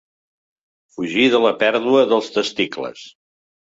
Fugir de la pèrdua dels testicles.